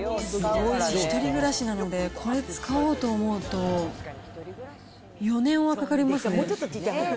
私、１人暮らしなので、これ使おうと思うと、４年はかかりますね。